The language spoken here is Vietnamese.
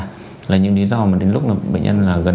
đó là những lý do mà đến lúc bệnh nhân gần nhất